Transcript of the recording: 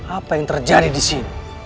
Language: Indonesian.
apa yang terjadi di sini